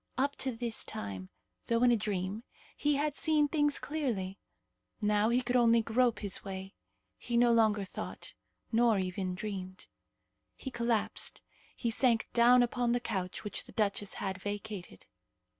Up to this time, though in a dream, he had seen things clearly. Now he could only grope his way. He no longer thought, nor even dreamed. He collapsed. He sank down upon the couch which the duchess had vacated.